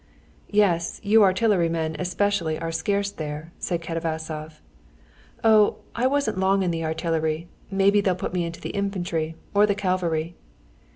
"Yes, you artillerymen especially are scarce there," said Katavasov. "Oh, I wasn't long in the artillery, maybe they'll put me into the infantry or the cavalry."